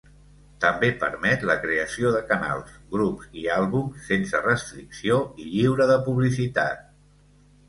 També permet la creació de canals, grups i àlbums sense restricció i lliure de publicitat.